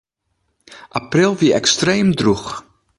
April wie ekstreem drûch.